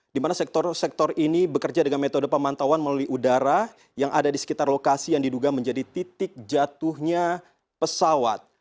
di mana sektor sektor ini bekerja dengan metode pemantauan melalui udara yang ada di sekitar lokasi yang diduga menjadi titik jatuhnya pesawat